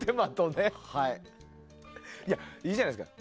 でも、いいじゃないですか。